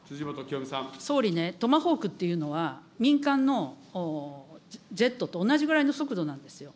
総理ね、トマホークっていうのは、民間のジェットと同じぐらいの速度なんですよ。